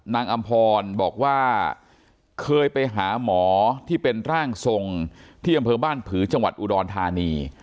อำพรบอกว่าเคยไปหาหมอที่เป็นร่างทรงที่อำเภอบ้านผือจังหวัดอุดรธานี